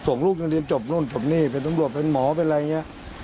ส่งลูกจ้างเรียนจบโน้นจบหนี้เป็นตรงรับเป็นหมอเป็นอะไรอย่างเงี้ย